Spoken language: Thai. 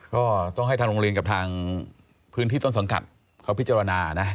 ก็ต้องให้ทางโรงเรียนกับทางพื้นที่ต้นสังกัดเขาพิจารณานะ